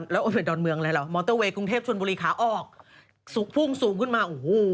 แล้วมอเตอร์เวย์กรุงเทพฯชวนบุรีค้าออกพุ่งสูงขึ้นมาโอ้โห